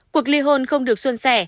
cuộc ly hôn không được xuân xẻ